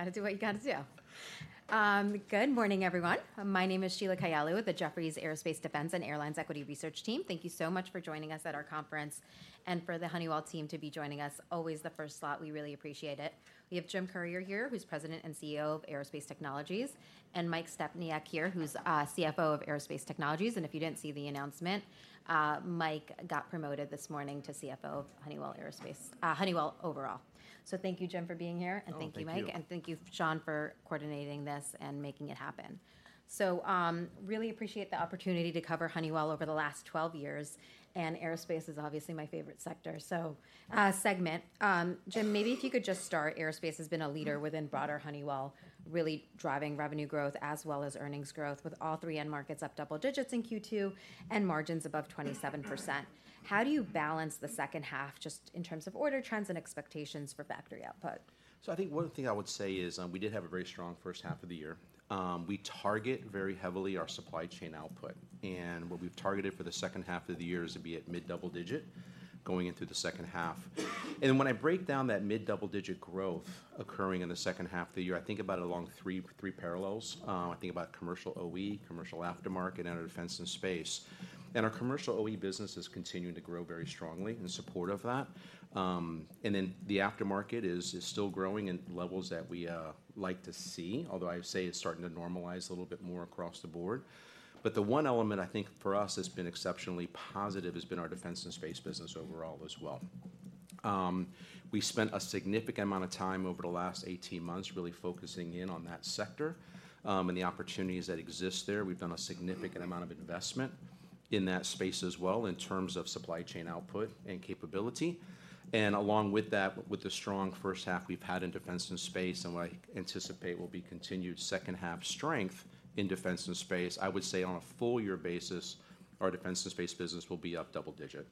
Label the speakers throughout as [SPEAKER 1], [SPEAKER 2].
[SPEAKER 1] Gotta do what you gotta do. Good morning, everyone. My name is Sheila Kahyaoglu with the Jefferies Aerospace, Defense, and Airlines Equity Research Team. Thank you so much for joining us at our conference and for the Honeywell team to be joining us, always the first slot. We really appreciate it. We have Jim Currier here, who's President and CEO of Aerospace Technologies, and Mike Stepniak here, who's CFO of Aerospace Technologies. And if you didn't see the announcement, Mike got promoted this morning to CFO of Honeywell Aerospace, Honeywell overall. So thank you, Jim, for being here.
[SPEAKER 2] Oh, thank you.
[SPEAKER 1] And thank you, Mike. And thank you, Sean, for coordinating this and making it happen. So, really appreciate the opportunity to cover Honeywell over the last twelve years, and aerospace is obviously my favorite sector, so, segment. Jim, maybe if you could just start. Aerospace has been a leader within broader Honeywell, really driving revenue growth as well as earnings growth, with all three end markets up double digits in Q2 and margins above 27%. How do you balance the second half, just in terms of order trends and expectations for factory output?
[SPEAKER 2] So I think one thing I would say is, we did have a very strong first half of the year. We target very heavily our supply chain output, and what we've targeted for the second half of the year is to be at mid-double-digit going into the second half. And when I break down that mid-double-digit growth occurring in the second half of the year, I think about it along three parallels. I think about commercial OE, commercial aftermarket, and our defense and space. And our commercial OE business is continuing to grow very strongly in support of that. And then the aftermarket is still growing at levels that we like to see, although I would say it's starting to normalize a little bit more across the board. But the one element I think for us that's been exceptionally positive has been our defense and space business overall as well. We spent a significant amount of time over the last eighteen months really focusing in on that sector, and the opportunities that exist there. We've done a significant amount of investment in that space as well in terms of supply chain output and capability. And along with that, with the strong first half we've had in defense and space, and what I anticipate will be continued second half strength in defense and space, I would say on a full year basis, our defense and space business will be up double digit.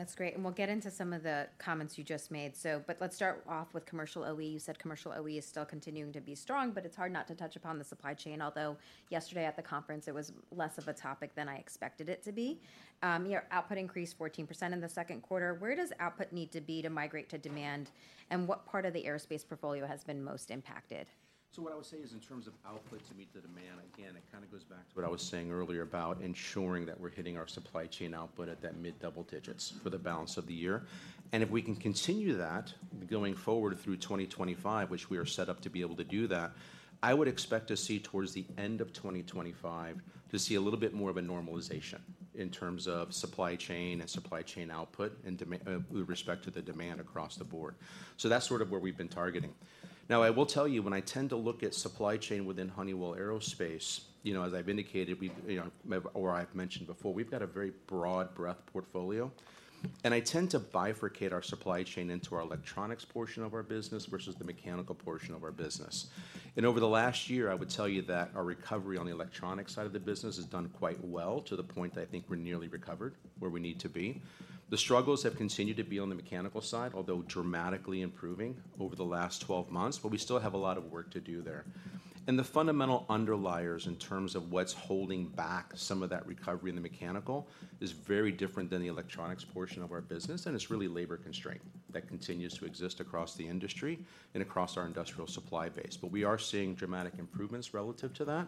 [SPEAKER 1] That's great, and we'll get into some of the comments you just made. So, but let's start off with commercial OE. You said commercial OE is still continuing to be strong, but it's hard not to touch upon the supply chain, although yesterday at the conference it was less of a topic than I expected it to be. Your output increased 14% in the second quarter. Where does output need to be to migrate to demand, and what part of the aerospace portfolio has been most impacted?
[SPEAKER 2] So what I would say is, in terms of output to meet the demand, again, it kind of goes back to what I was saying earlier about ensuring that we're hitting our supply chain output at that mid double digits for the balance of the year. And if we can continue that going forward through 2025, which we are set up to be able to do that, I would expect to see towards the end of 2025, to see a little bit more of a normalization in terms of supply chain and supply chain output and demand, with respect to the demand across the board. So that's sort of where we've been targeting. Now, I will tell you, when I tend to look at supply chain within Honeywell Aerospace, you know, as I've indicated, we've, you know, or I've mentioned before, we've got a very broad breadth portfolio, and I tend to bifurcate our supply chain into our electronics portion of our business versus the mechanical portion of our business, and over the last year, I would tell you that our recovery on the electronics side of the business has done quite well, to the point I think we're nearly recovered, where we need to be. The struggles have continued to be on the mechanical side, although dramatically improving over the last 12 months, but we still have a lot of work to do there. And the fundamental underliers in terms of what's holding back some of that recovery in the mechanical is very different than the electronics portion of our business, and it's really labor constraint that continues to exist across the industry and across our industrial supply base. But we are seeing dramatic improvements relative to that.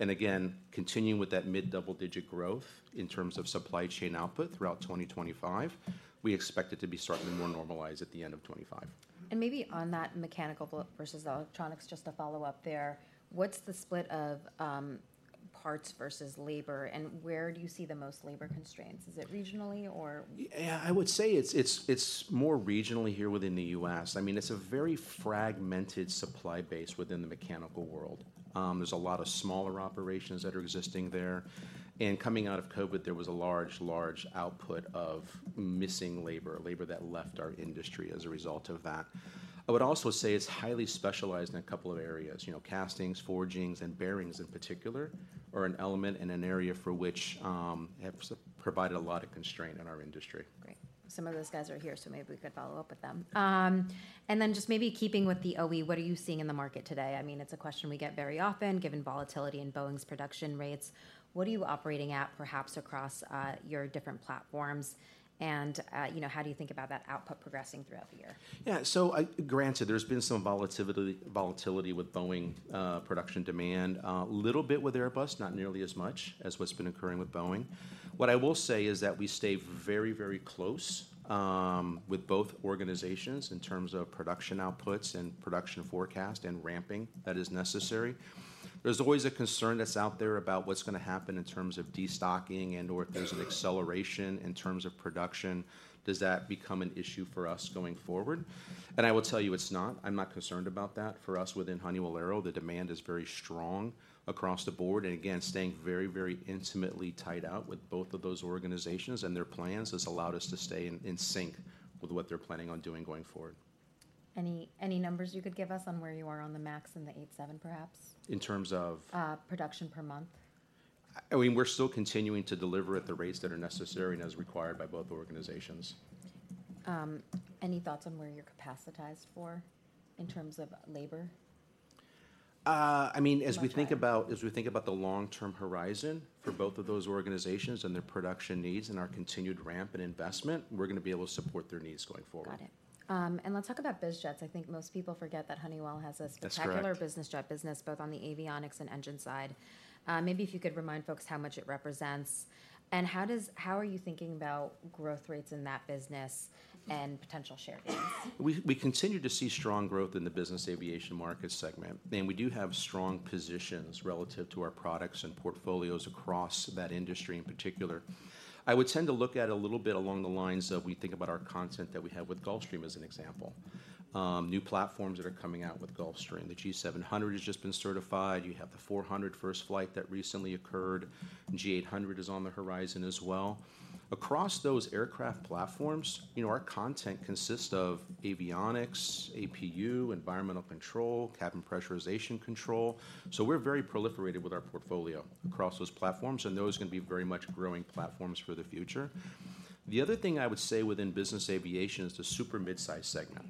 [SPEAKER 2] And again, continuing with that mid double-digit growth in terms of supply chain output throughout 2025, we expect it to be starting to more normalize at the end of 2025.
[SPEAKER 1] And maybe on that mechanical versus electronics, just to follow up there, what's the split of, parts versus labor, and where do you see the most labor constraints? Is it regionally or-
[SPEAKER 2] Yeah, I would say it's more regionally here within the U.S. I mean, it's a very fragmented supply base within the mechanical world. There's a lot of smaller operations that are existing there, and coming out of COVID, there was a large output of missing labor that left our industry as a result of that. I would also say it's highly specialized in a couple of areas. You know, castings, forgings, and bearings in particular are an element and an area for which have provided a lot of constraint in our industry.
[SPEAKER 1] Great. Some of those guys are here, so maybe we could follow up with them, and then just maybe keeping with the OE, what are you seeing in the market today? I mean, it's a question we get very often, given volatility in Boeing's production rates. What are you operating at, perhaps across your different platforms, and you know, how do you think about that output progressing throughout the year?
[SPEAKER 2] Yeah, so granted, there's been some volatility with Boeing production demand. Little bit with Airbus, not nearly as much as what's been occurring with Boeing. What I will say is that we stay very, very close with both organizations in terms of production outputs and production forecast and ramping that is necessary. There's always a concern that's out there about what's going to happen in terms of destocking and/or if there's an acceleration in terms of production. Does that become an issue for us going forward? And I will tell you, it's not. I'm not concerned about that. For us, within Honeywell Aero, the demand is very strong across the board. And again, staying very, very intimately tied out with both of those organizations and their plans has allowed us to stay in sync with what they're planning on doing going forward.
[SPEAKER 1] Any numbers you could give us on where you are on the MAX and the eight seven, perhaps?
[SPEAKER 2] In terms of?
[SPEAKER 1] Production per month.
[SPEAKER 2] I mean, we're still continuing to deliver at the rates that are necessary and as required by both organizations.
[SPEAKER 1] Any thoughts on where you're capacitized for in terms of labor?
[SPEAKER 2] I mean, as we think about the long-term horizon for both of those organizations and their production needs and our continued ramp in investment, we're going to be able to support their needs going forward.
[SPEAKER 1] Got it, and let's talk about biz jets. I think most people forget that Honeywell has a-
[SPEAKER 2] That's correct...
[SPEAKER 1] spectacular business jet business, both on the avionics and engine side. Maybe if you could remind folks how much it represents, and how does-how are you thinking about growth rates in that business and potential share gains?
[SPEAKER 2] We continue to see strong growth in the business aviation market segment, and we do have strong positions relative to our products and portfolios across that industry in particular. I would tend to look at it a little bit along the lines of we think about our content that we have with Gulfstream, as an example. New platforms that are coming out with Gulfstream, the G700 has just been certified. You have the four hundred first flight that recently occurred, and G800 is on the horizon as well. Across those aircraft platforms, you know, our content consists of avionics, APU, environmental control, cabin pressurization control, so we're very proliferated with our portfolio across those platforms, and those are going to be very much growing platforms for the future. The other thing I would say within business aviation is the super mid-size segment.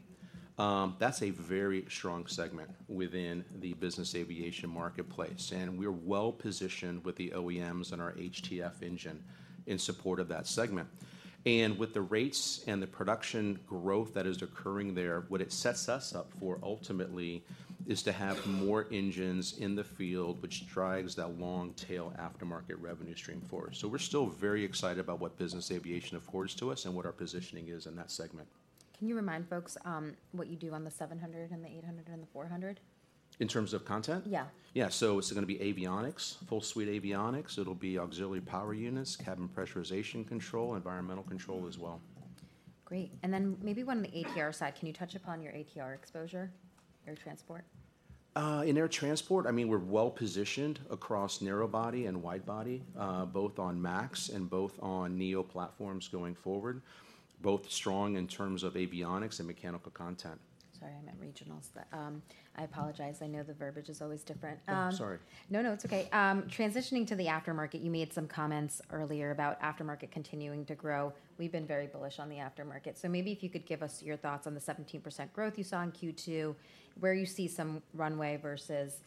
[SPEAKER 2] That's a very strong segment within the business aviation marketplace, and we're well-positioned with the OEMs and our HTF engine in support of that segment. And with the rates and the production growth that is occurring there, what it sets us up for ultimately is to have more engines in the field, which drives that long-tail aftermarket revenue stream for us. So we're still very excited about what business aviation affords to us and what our positioning is in that segment.
[SPEAKER 1] Can you remind folks, what you do on the seven hundred and the eight hundred and the four hundred?
[SPEAKER 2] In terms of content?
[SPEAKER 1] Yeah.
[SPEAKER 2] Yeah. So it's going to be avionics, full suite avionics. It'll be auxiliary power units, cabin pressurization control, environmental control as well.
[SPEAKER 1] Great. And then maybe on the ATR side, can you touch upon your ATR exposure, air transport?
[SPEAKER 2] In air transport, I mean, we're well-positioned across narrow body and wide body, both on MAX and both on neo platforms going forward. Both strong in terms of avionics and mechanical content.
[SPEAKER 1] Sorry, I meant regionals, but, I apologize. I know the verbiage is always different.
[SPEAKER 2] No, sorry.
[SPEAKER 1] No, no, it's okay. Transitioning to the aftermarket, you made some comments earlier about aftermarket continuing to grow. We've been very bullish on the aftermarket, so maybe if you could give us your thoughts on the 17% growth you saw in Q2, where you see some runway versus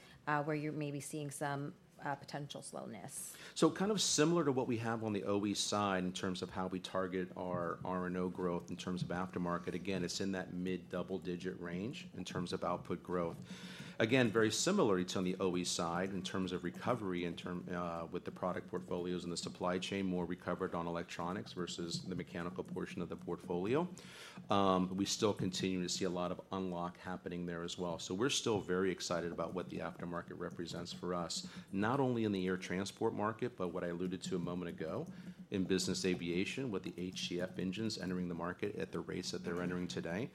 [SPEAKER 1] where you're maybe seeing some potential slowness.
[SPEAKER 2] So kind of similar to what we have on the OE side in terms of how we target our R&O growth in terms of aftermarket, again, it's in that mid double-digit range in terms of output growth. Again, very similarly to on the OE side in terms of recovery, in terms, with the product portfolios and the supply chain more recovered on electronics versus the mechanical portion of the portfolio. We still continue to see a lot of unlock happening there as well. So we're still very excited about what the aftermarket represents for us, not only in the air transport market, but what I alluded to a moment ago, in business aviation, with the HTF engines entering the market at the rates that they're entering today.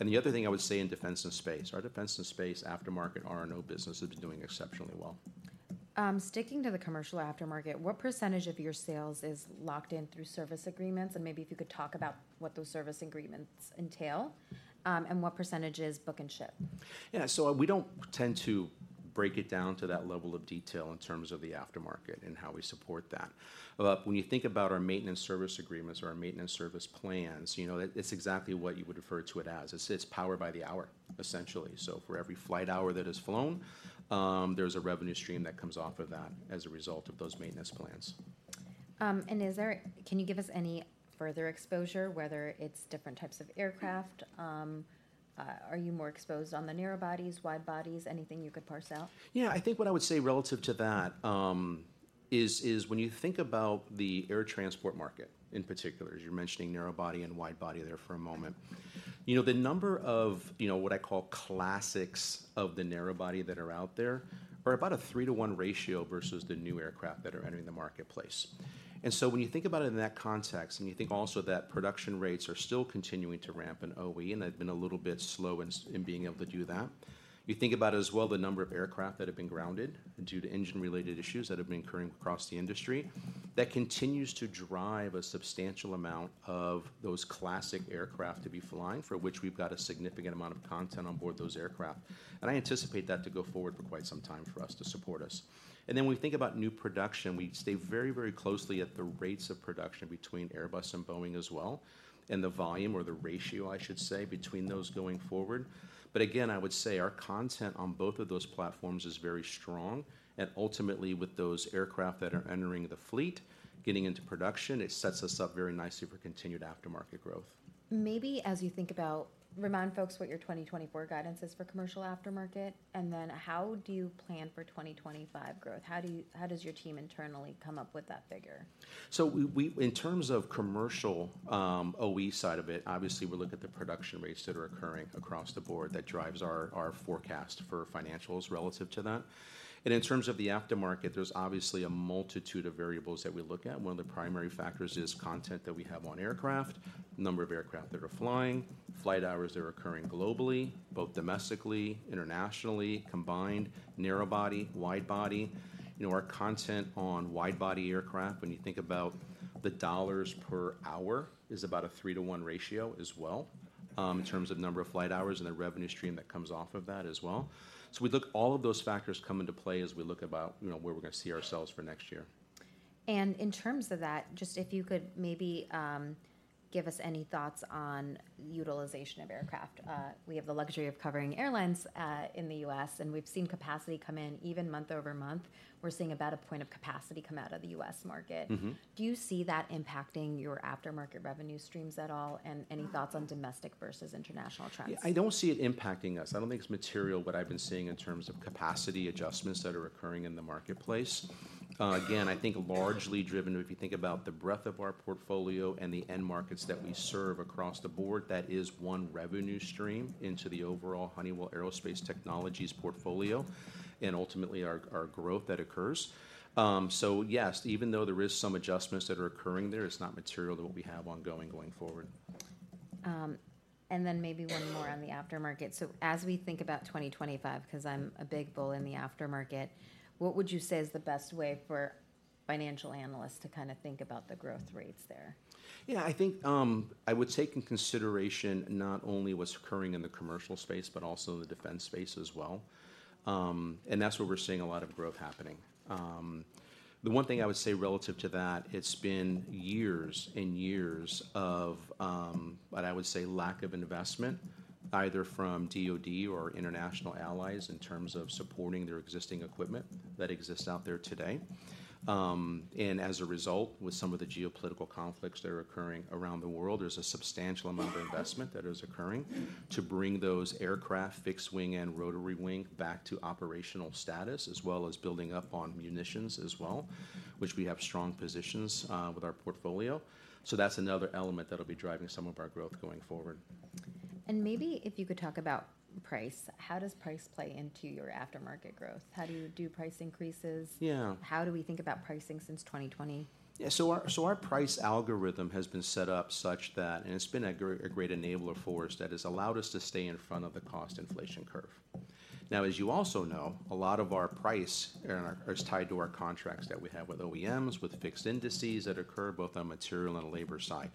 [SPEAKER 2] The other thing I would say in defense and space, our defense and space aftermarket R&O business has been doing exceptionally well.
[SPEAKER 1] Sticking to the commercial aftermarket, what percentage of your sales is locked in through service agreements? And maybe if you could talk about what those service agreements entail, and what percentage is book and ship.
[SPEAKER 2] Yeah. So we don't tend to break it down to that level of detail in terms of the aftermarket and how we support that. But when you think about our maintenance service agreements or our maintenance service plans, you know, it's exactly what you would refer to it as. It's power by the hour, essentially. So for every flight hour that is flown, there's a revenue stream that comes off of that as a result of those maintenance plans.
[SPEAKER 1] Can you give us any further exposure, whether it's different types of aircraft? Are you more exposed on the narrow bodies, wide bodies, anything you could parse out?
[SPEAKER 2] Yeah, I think what I would say relative to that is when you think about the air transport market in particular, as you're mentioning, narrow body and wide body there for a moment, you know, the number of, you know, what I call classics of the narrow body that are out there are about a three-to-one ratio versus the new aircraft that are entering the marketplace. And so when you think about it in that context, and you think also that production rates are still continuing to ramp in OE, and they've been a little bit slow in being able to do that, you think about it as well, the number of aircraft that have been grounded due to engine-related issues that have been occurring across the industry. That continues to drive a substantial amount of those classic aircraft to be flying, for which we've got a significant amount of content on board those aircraft. And I anticipate that to go forward for quite some time for us to support us. And then when we think about new production, we stay very, very closely at the rates of production between Airbus and Boeing as well, and the volume or the ratio, I should say, between those going forward. But, again, I would say our content on both of those platforms is very strong, and ultimately, with those aircraft that are entering the fleet, getting into production, it sets us up very nicely for continued aftermarket growth.
[SPEAKER 1] Maybe as you think about. Remind folks what your 2024 guidance is for commercial aftermarket, and then how do you plan for 2025 growth? How do you how does your team internally come up with that figure?
[SPEAKER 2] So we in terms of commercial OE side of it, obviously, we look at the production rates that are occurring across the board. That drives our forecast for financials relative to that. And in terms of the aftermarket, there's obviously a multitude of variables that we look at. One of the primary factors is content that we have on aircraft, number of aircraft that are flying, flight hours that are occurring globally, both domestically, internationally, combined, narrow body, wide body. You know, our content on wide body aircraft, when you think about the dollars per hour, is about a three-to-one ratio as well in terms of number of flight hours and the revenue stream that comes off of that as well. So we look all of those factors come into play as we look about, you know, where we're going to see ourselves for next year.
[SPEAKER 1] And in terms of that, just if you could maybe give us any thoughts on utilization of aircraft. We have the luxury of covering airlines in the U.S., and we've seen capacity come in. Even month over month, we're seeing about a point of capacity come out of the U.S. market.
[SPEAKER 2] Mm-hmm.
[SPEAKER 1] Do you see that impacting your aftermarket revenue streams at all? And any thoughts on domestic versus international trends?
[SPEAKER 2] Yeah, I don't see it impacting us. I don't think it's material what I've been seeing in terms of capacity adjustments that are occurring in the marketplace. Again, I think largely driven, if you think about the breadth of our portfolio and the end markets that we serve across the board, that is one revenue stream into the overall Honeywell Aerospace Technologies portfolio and ultimately our, our growth that occurs. So yes, even though there is some adjustments that are occurring there, it's not material to what we have ongoing going forward.
[SPEAKER 1] And then maybe one more on the aftermarket. So as we think about 2025, 'cause I'm a big bull in the aftermarket, what would you say is the best way for financial analysts to kind of think about the growth rates there?
[SPEAKER 2] Yeah, I think, I would take in consideration not only what's occurring in the commercial space, but also the defense space as well. And that's where we're seeing a lot of growth happening. The one thing I would say relative to that, it's been years and years of, what I would say lack of investment, either from DoD or international allies, in terms of supporting their existing equipment that exists out there today. And as a result, with some of the geopolitical conflicts that are occurring around the world, there's a substantial amount of investment that is occurring to bring those aircraft, fixed wing and rotary wing, back to operational status, as well as building up on munitions as well, which we have strong positions, with our portfolio. So that's another element that'll be driving some of our growth going forward.
[SPEAKER 1] Maybe if you could talk about price, how does price play into your aftermarket growth? How do you do price increases?
[SPEAKER 2] Yeah.
[SPEAKER 1] How do we think about pricing since 2020?
[SPEAKER 2] Yeah. So our price algorithm has been set up such that, and it's been a great enabler for us that has allowed us to stay in front of the cost inflation curve. Now, as you also know, a lot of our price is tied to our contracts that we have with OEMs, with fixed indices that occur both on material and labor side.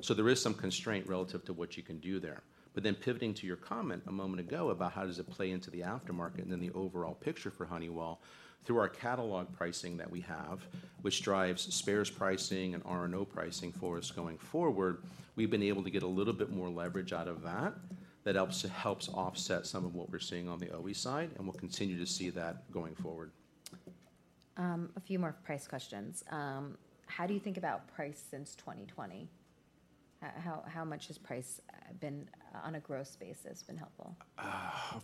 [SPEAKER 2] So there is some constraint relative to what you can do there. But then pivoting to your comment a moment ago about how does it play into the aftermarket and then the overall picture for Honeywell, through our catalog pricing that we have, which drives spares pricing and R&O pricing for us going forward, we've been able to get a little bit more leverage out of that. That helps, helps offset some of what we're seeing on the OE side, and we'll continue to see that going forward.
[SPEAKER 1] A few more price questions. How do you think about price since 2020? How much has price been, on a growth basis, helpful?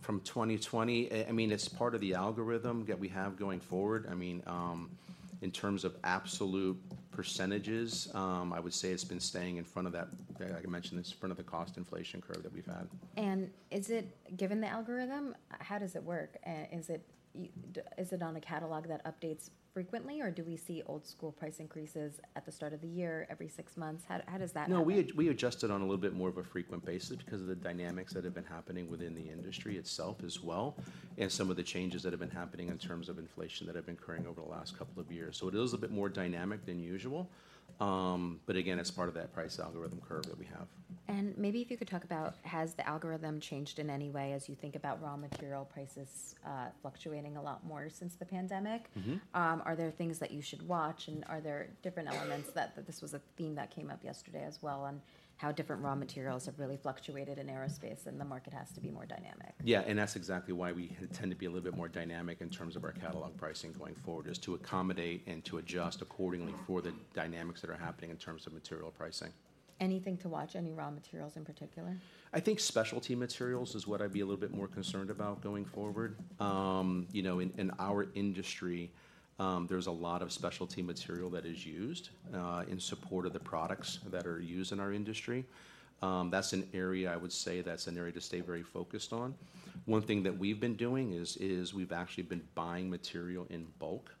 [SPEAKER 2] From 2020, I mean, it's part of the algorithm that we have going forward. I mean, in terms of absolute percentages, I would say it's been staying in front of that, like I mentioned, in front of the cost inflation curve that we've had.
[SPEAKER 1] Is it, given the algorithm, how does it work? Is it on a catalog that updates frequently, or do we see old school price increases at the start of the year, every six months? How does that happen?
[SPEAKER 2] No, we adjust it on a little bit more of a frequent basis because of the dynamics that have been happening within the industry itself as well, and some of the changes that have been happening in terms of inflation that have been occurring over the last couple of years, so it is a bit more dynamic than usual, but again, it's part of that price algorithm curve that we have.
[SPEAKER 1] Maybe if you could talk about, has the algorithm changed in any way as you think about raw material prices, fluctuating a lot more since the pandemic?
[SPEAKER 2] Mm-hmm.
[SPEAKER 1] Are there things that you should watch, and that this was a theme that came up yesterday as well, on how different raw materials have really fluctuated in aerospace, and the market has to be more dynamic.
[SPEAKER 2] Yeah, and that's exactly why we tend to be a little bit more dynamic in terms of our catalog pricing going forward, is to accommodate and to adjust accordingly for the dynamics that are happening in terms of material pricing.
[SPEAKER 1] Anything to watch, any raw materials in particular?
[SPEAKER 2] I think specialty materials is what I'd be a little bit more concerned about going forward. You know, in our industry, there's a lot of specialty material that is used in support of the products that are used in our industry. That's an area I would say, that's an area to stay very focused on. One thing that we've been doing is we've actually been buying material in bulk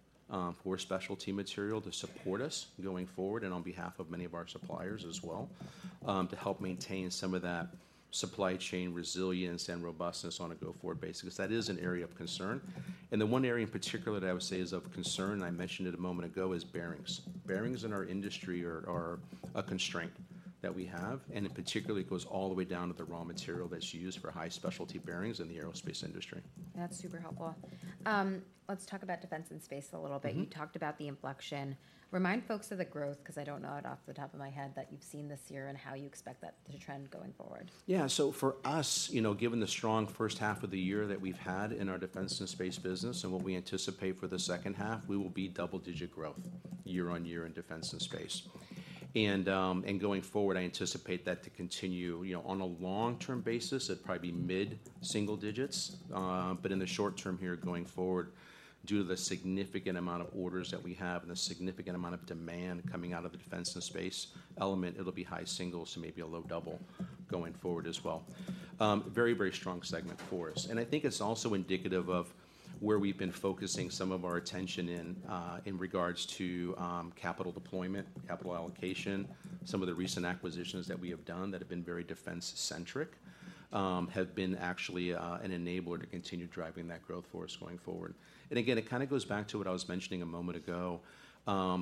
[SPEAKER 2] for specialty material to support us going forward, and on behalf of many of our suppliers as well, to help maintain some of that supply chain resilience and robustness on a go-forward basis, because that is an area of concern, and the one area in particular that I would say is of concern, and I mentioned it a moment ago, is bearings. Bearings in our industry are a constraint that we have, and it particularly goes all the way down to the raw material that's used for high specialty bearings in the aerospace industry.
[SPEAKER 1] That's super helpful. Let's talk about defense and space a little bit.
[SPEAKER 2] Mm-hmm.
[SPEAKER 1] You talked about the inflection. Remind folks of the growth, 'cause I don't know it off the top of my head, that you've seen this year and how you expect that to trend going forward.
[SPEAKER 2] Yeah. So for us, you know, given the strong first half of the year that we've had in our defense and space business and what we anticipate for the second half, we will be double-digit growth year on year in defense and space. And going forward, I anticipate that to continue, you know, on a long-term basis, it'd probably be mid-single digits. But in the short term here, going forward, due to the significant amount of orders that we have and the significant amount of demand coming out of the defense and space element, it'll be high singles to maybe a low double going forward as well. Very, very strong segment for us, and I think it's also indicative of where we've been focusing some of our attention in regards to capital deployment, capital allocation. Some of the recent acquisitions that we have done that have been very defense-centric have been actually an enabler to continue driving that growth for us going forward. And again, it kind of goes back to what I was mentioning a moment ago.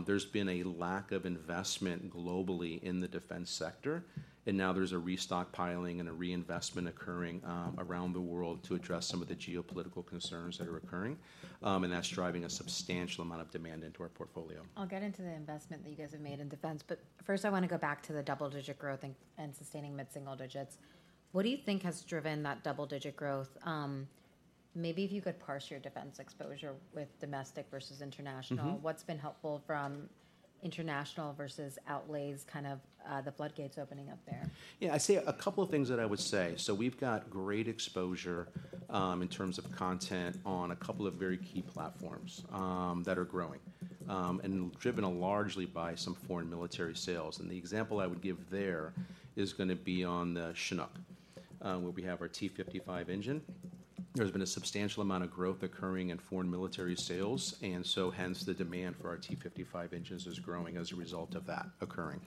[SPEAKER 2] There's been a lack of investment globally in the defense sector, and now there's a restocking and a reinvestment occurring around the world to address some of the geopolitical concerns that are occurring, and that's driving a substantial amount of demand into our portfolio.
[SPEAKER 1] I'll get into the investment that you guys have made in defense, but first, I want to go back to the double-digit growth and, and sustaining mid-single digits. What do you think has driven that double-digit growth, maybe if you could parse your defense exposure with domestic versus international?
[SPEAKER 2] Mm-hmm.
[SPEAKER 1] What's been helpful from international versus outlays, kind of, the floodgates opening up there?
[SPEAKER 2] Yeah, I'd say a couple of things that I would say. So we've got great exposure in terms of content on a couple of very key platforms that are growing and driven largely by some foreign military sales. And the example I would give there is gonna be on the Chinook, where we have our T55 engine. There's been a substantial amount of growth occurring in foreign military sales, and so hence the demand for our T55 engines is growing as a result of that occurring.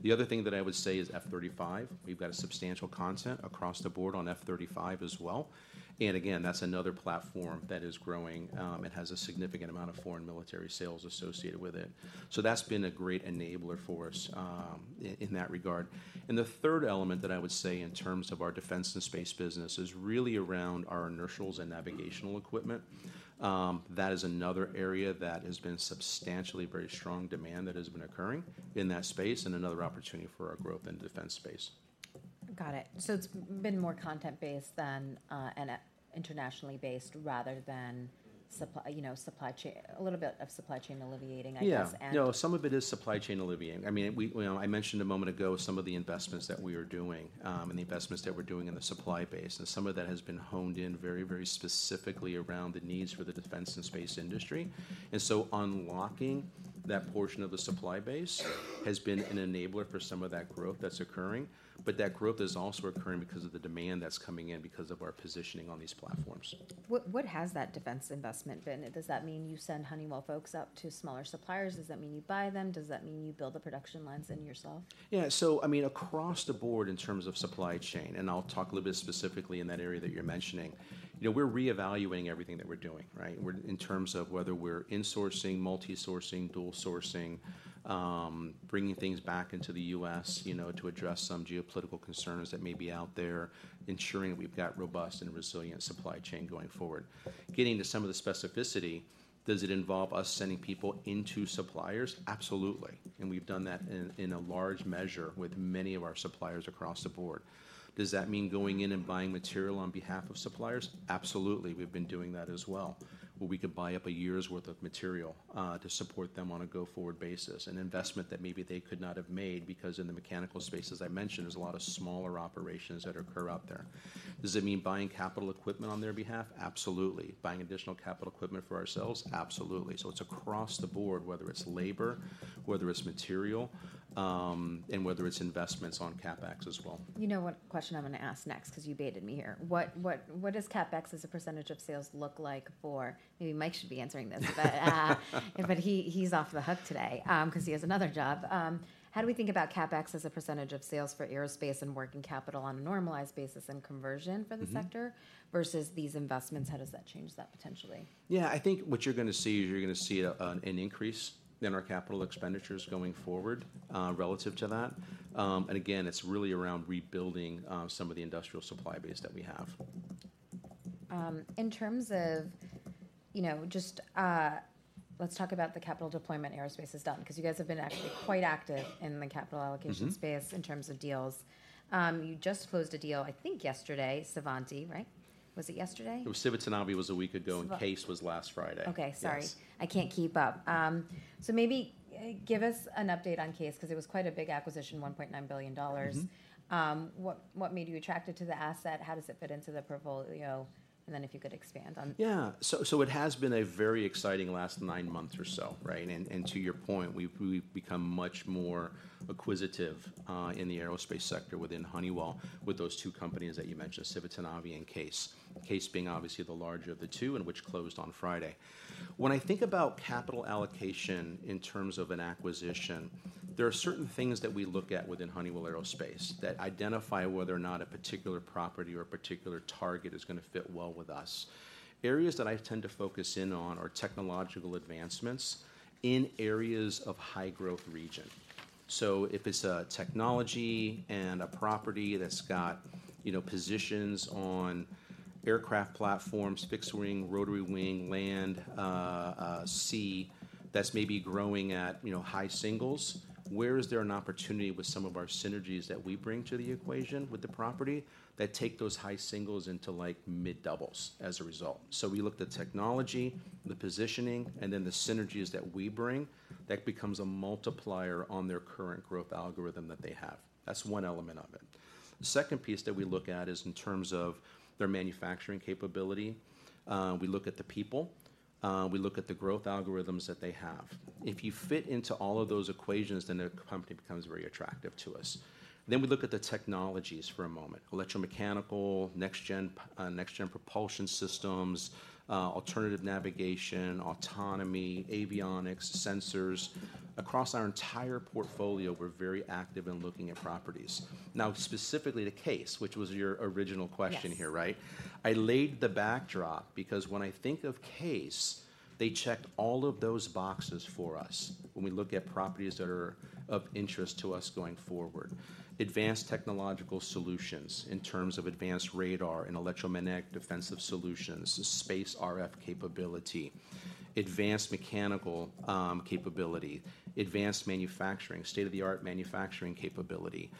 [SPEAKER 2] The other thing that I would say is F-35. We've got a substantial content across the board on F-35 as well. And again, that's another platform that is growing and has a significant amount of foreign military sales associated with it. So that's been a great enabler for us in that regard. The third element that I would say in terms of our defense and space business is really around our inertials and navigational equipment. That is another area that has been substantially very strong demand that has been occurring in that space and another opportunity for our growth in the defense space.
[SPEAKER 1] Got it. So it's been more content-based than and internationally based, rather than supply you know, supply chain. A little bit of supply chain alleviating, I guess, and-
[SPEAKER 2] Yeah. No, some of it is supply chain alleviating. I mean, well, I mentioned a moment ago some of the investments that we are doing, and the investments that we're doing in the supply base, and some of that has been honed in very, very specifically around the needs for the defense and space industry. And so unlocking that portion of the supply base has been an enabler for some of that growth that's occurring, but that growth is also occurring because of the demand that's coming in because of our positioning on these platforms.
[SPEAKER 1] What has that defense investment been? Does that mean you send Honeywell folks out to smaller suppliers? Does that mean you buy them? Does that mean you build the production lines in yourself?
[SPEAKER 2] Yeah, so I mean, across the board in terms of supply chain, and I'll talk a little bit specifically in that area that you're mentioning, you know, we're reevaluating everything that we're doing, right? In terms of whether we're insourcing, multi-sourcing, dual sourcing, bringing things back into the U.S., you know, to address some geopolitical concerns that may be out there, ensuring that we've got robust and resilient supply chain going forward. Getting to some of the specificity, does it involve us sending people into suppliers? Absolutely, and we've done that in a large measure with many of our suppliers across the board. Does that mean going in and buying material on behalf of suppliers? Absolutely. We've been doing that as well, where we could buy up a year's worth of material, to support them on a go-forward basis, an investment that maybe they could not have made, because in the mechanical space, as I mentioned, there's a lot of smaller operations that occur out there. Does it mean buying capital equipment on their behalf? Absolutely. Buying additional capital equipment for ourselves? Absolutely. So it's across the board, whether it's labor, whether it's material, and whether it's investments on CapEx as well.
[SPEAKER 1] You know what question I'm gonna ask next, 'cause you baited me here. What does CapEx as a % of sales look like for-- Maybe Mike should be answering this, but he, he's off the hook today, 'cause he has another job. How do we think about CapEx as a percentage of sales for aerospace and working capital on a normalized basis and conversion for the sector-
[SPEAKER 2] Mm-hmm...
[SPEAKER 1] versus these investments? How does that change that potentially?
[SPEAKER 2] Yeah, I think what you're gonna see is an increase in our capital expenditures going forward, relative to that. And again, it's really around rebuilding some of the industrial supply base that we have.
[SPEAKER 1] In terms of, you know, just, let's talk about the capital deployment Aerospace has done, 'cause you guys have been actually quite active in the capital allocation-
[SPEAKER 2] Mm-hmm...
[SPEAKER 1] space in terms of deals. You just closed a deal, I think yesterday, Civitanavi, right? Was it yesterday?
[SPEAKER 2] It was Civitanavi a week ago, and CAES was last Friday.
[SPEAKER 1] Okay, sorry.
[SPEAKER 2] Yes.
[SPEAKER 1] I can't keep up. So maybe, give us an update on CAES, 'cause it was quite a big acquisition, $1.9 billion.
[SPEAKER 2] Mm-hmm.
[SPEAKER 1] What, what made you attracted to the asset? How does it fit into the portfolio? And then if you could expand on-
[SPEAKER 2] Yeah. So it has been a very exciting last nine months or so, right? And to your point, we've become much more acquisitive in the aerospace sector within Honeywell with those two companies that you mentioned, Civitanavi and CAES. CAES being obviously the larger of the two, and which closed on Friday. When I think about capital allocation in terms of an acquisition, there are certain things that we look at within Honeywell Aerospace that identify whether or not a particular property or a particular target is gonna fit well with us. Areas that I tend to focus in on are technological advancements in areas of high-growth region. So if it's a technology and a property that's got, you know, positions on aircraft platforms, fixed wing, rotary wing, land, sea, that's maybe growing at, you know, high singles, where is there an opportunity with some of our synergies that we bring to the equation with the property, that take those high singles into, like, mid-doubles as a result? So we look at the technology, the positioning, and then the synergies that we bring. That becomes a multiplier on their current growth algorithm that they have. That's one element of it. The second piece that we look at is in terms of their manufacturing capability. We look at the people, we look at the growth algorithms that they have. If you fit into all of those equations, then the company becomes very attractive to us. Then we look at the technologies for a moment: electromechanical, next gen, next gen propulsion systems, alternative navigation, autonomy, avionics, sensors. Across our entire portfolio, we're very active in looking at opportunities. Now, specifically to CAES, which was your original question here, right?
[SPEAKER 1] Yes.
[SPEAKER 2] I laid the backdrop because when I think of CAES, they checked all of those boxes for us when we look at properties that are of interest to us going forward. Advanced technological solutions in terms of advanced radar and electromagnetic defensive solutions, space RF capability, advanced mechanical capability, advanced manufacturing, state-of-the-art manufacturing capability.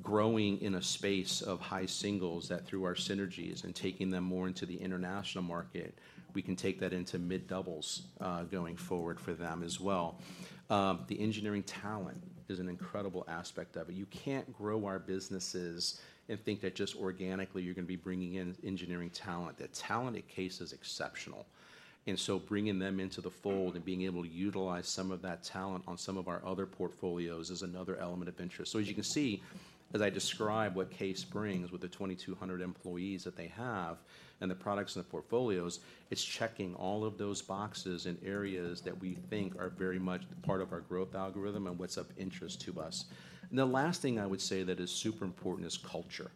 [SPEAKER 2] Growing in a space of high singles, that through our synergies and taking them more into the international market, we can take that into mid doubles, going forward for them as well. The engineering talent is an incredible aspect of it. You can't grow our businesses and think that just organically, you're gonna be bringing in engineering talent. The talent at CAES is exceptional, and so bringing them into the fold and being able to utilize some of that talent on some of our other portfolios is another element of interest. So as you can see, as I describe what CAES brings with the 2,200 employees that they have and the products and the portfolios, it's checking all of those boxes in areas that we think are very much part of our growth algorithm and what's of interest to us. And the last thing I would say that is super important is culture.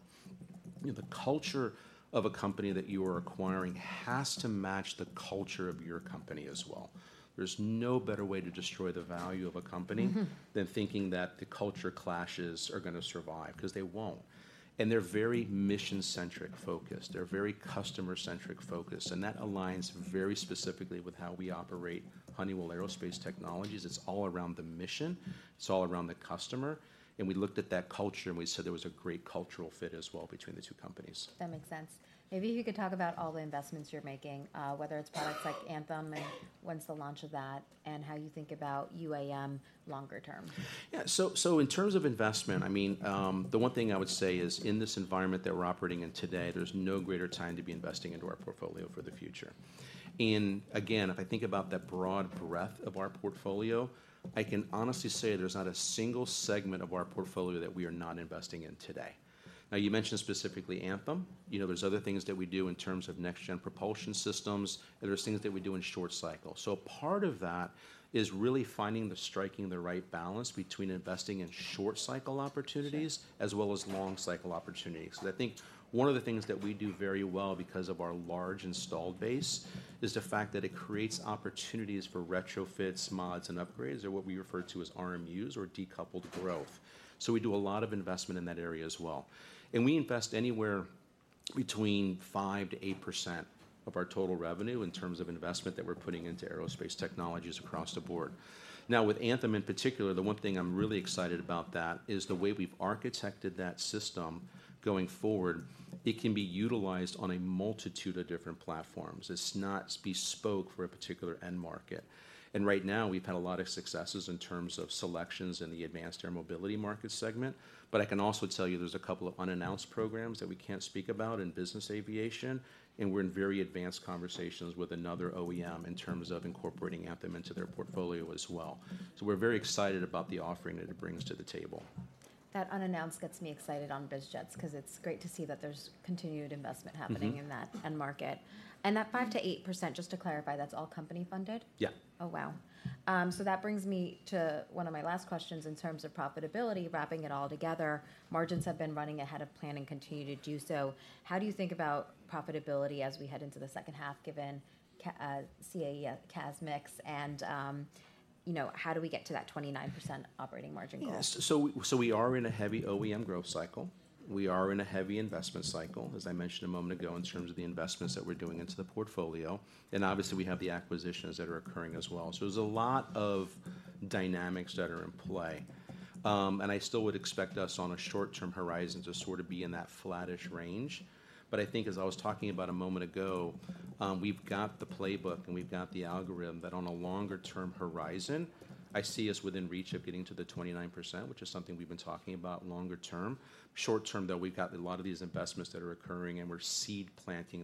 [SPEAKER 2] You know, the culture of a company that you are acquiring has to match the culture of your company as well. There's no better way to destroy the value of a company-
[SPEAKER 1] Mm-hmm.
[SPEAKER 2] -than thinking that the culture clashes are gonna survive, 'cause they won't. And they're very mission-centric focused, they're very customer-centric focused, and that aligns very specifically with how we operate Honeywell Aerospace Technologies. It's all around the mission, it's all around the customer, and we looked at that culture, and we said there was a great cultural fit as well between the two companies.
[SPEAKER 1] That makes sense. Maybe you could talk about all the investments you're making, whether it's products like Anthem—and when's the launch of that, and how you think about UAM longer term?
[SPEAKER 2] Yeah. So in terms of investment, I mean, the one thing I would say is in this environment that we're operating in today, there's no greater time to be investing into our portfolio for the future. And again, if I think about that broad breadth of our portfolio, I can honestly say there's not a single segment of our portfolio that we are not investing in today. Now, you mentioned specifically Anthem. You know, there's other things that we do in terms of next-gen propulsion systems, and there's things that we do in short cycle. So part of that is really striking the right balance between investing in short-cycle opportunities-
[SPEAKER 1] Sure...
[SPEAKER 2] as well as long-cycle opportunities. Because I think one of the things that we do very well, because of our large installed base, is the fact that it creates opportunities for retrofits, mods, and upgrades, or what we refer to as RMUs or decoupled growth. So we do a lot of investment in that area as well. And we invest anywhere between 5%-8% of our total revenue in terms of investment that we're putting into aerospace technologies across the board. Now, with Anthem in particular, the one thing I'm really excited about that is the way we've architected that system going forward, it can be utilized on a multitude of different platforms. It's not bespoke for a particular end market. And right now, we've had a lot of successes in terms of selections in the advanced air mobility market segment. But I can also tell you there's a couple of unannounced programs that we can't speak about in business aviation, and we're in very advanced conversations with another OEM in terms of incorporating Anthem into their portfolio as well. So we're very excited about the offering that it brings to the table.
[SPEAKER 1] That unannounced gets me excited on biz jets, 'cause it's great to see that there's continued investment happening-
[SPEAKER 2] Mm-hmm...
[SPEAKER 1] in that end market. And that 5%-8%, just to clarify, that's all company funded?
[SPEAKER 2] Yeah.
[SPEAKER 1] Oh, wow. So that brings me to one of my last questions in terms of profitability, wrapping it all together. Margins have been running ahead of plan and continue to do so. How do you think about profitability as we head into the second half, given CAES mix, and, you know, how do we get to that 29% operating margin goal?
[SPEAKER 2] Yeah. So we are in a heavy OEM growth cycle. We are in a heavy investment cycle, as I mentioned a moment ago, in terms of the investments that we're doing into the portfolio, and obviously, we have the acquisitions that are occurring as well. So there's a lot of dynamics that are in play. And I still would expect us on a short-term horizon to sort of be in that flattish range. But I think as I was talking about a moment ago, we've got the playbook, and we've got the algorithm that on a longer-term horizon, I see us within reach of getting to the 29%, which is something we've been talking about longer term. Short term, though, we've got a lot of these investments that are occurring, and we're seed planting-